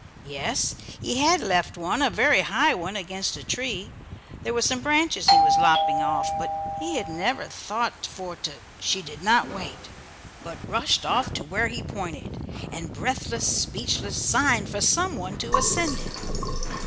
Yes, he had left one a very high one against a tree. There were some branches he was lopping off, but he had "never thought for to " She did not wait, but rushed off to where he pointed, and breathless, speechless, signed for some one to ascend it.